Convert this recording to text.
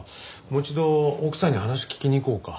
もう一度奥さんに話聞きに行こうか。